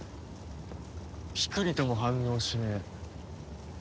ピクリとも反応しねえ。